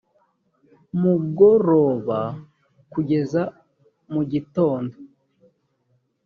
mugoroba kugeza mu gitondo